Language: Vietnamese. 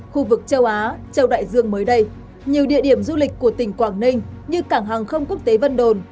hai nghìn hai mươi hai khu vực châu á châu đại dương mới đây nhiều địa điểm du lịch của tỉnh quảng ninh như cảng hàng không quốc tế vân đồn